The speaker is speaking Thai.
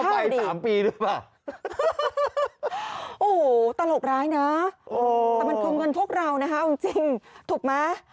โอ้โหตลกร้ายนะโอ้แต่มันคนเงินพวกเรานะฮะจริงจริงถูกมั้ย